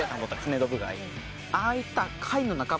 ああいった。